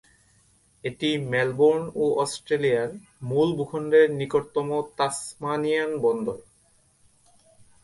এটি মেলবোর্ন এবং অস্ট্রেলিয়ার মূল ভূখণ্ডের নিকটতম তাসমানিয়ান বন্দর।